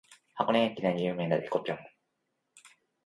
箱根駅伝で有名になった「えこぴょん」